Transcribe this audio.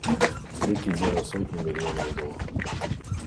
Лік ідзе на сотні мільёнаў долараў.